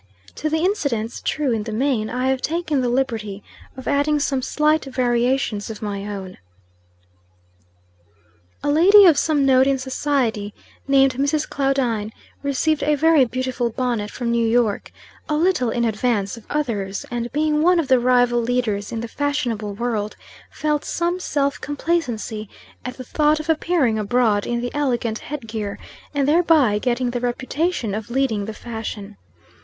To the incidents, true in the main, I have taken the liberty of adding some slight variations of my own. A lady of some note in society, named Mrs. Claudine, received a very beautiful bonnet from New York, a little in advance of others, and being one of the rival leaders in the fashionable world, felt some self complacency at the thought of appearing abroad in the elegant head gear, and thereby getting the reputation of leading the fashion.